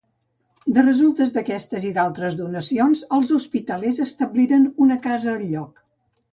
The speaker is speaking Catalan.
De resultes d'aquestes i d'altres donacions, els hospitalers establiren una casa al lloc.